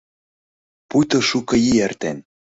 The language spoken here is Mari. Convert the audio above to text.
Пуйто шуко ий эртен...